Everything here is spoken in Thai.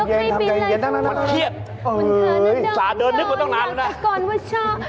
แม้เยี่ยมทำใจเย็นทุกคนเม้าหยิบ